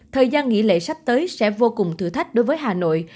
thời gian nghỉ lễ sắp tới sẽ vô cùng thử thách đối với hà nội